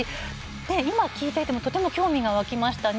今、聞いていてもとても興味が湧きましたね。